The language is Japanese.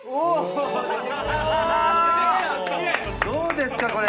どうですか？